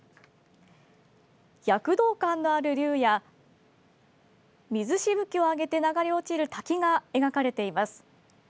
躍動感のある竜や水しぶきを上げて流れ落ちる滝が描かれています。